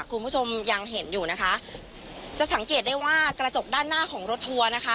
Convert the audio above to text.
คุณผู้ชมยังเห็นอยู่นะคะจะสังเกตได้ว่ากระจกด้านหน้าของรถทัวร์นะคะ